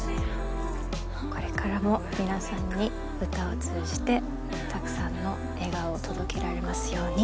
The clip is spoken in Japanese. これからも皆さんに歌を通じてたくさんの笑顔を届けられますように。